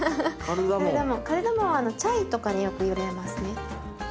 カルダモンはチャイとかによく入れますね。